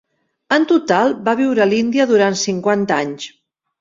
En total va viure a l'Índia durant cinquanta anys.